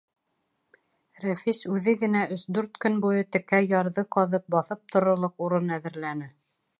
Рәфис үҙе генә өс-дүрт көн буйы текә ярҙы ҡаҙып, баҫып торорлоҡ урын әҙерләне.